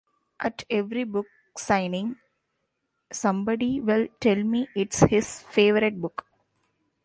At every book signing, somebody will tell me it's his favorite book.